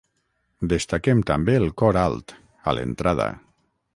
Destaquem també el cor alt, a l'entrada.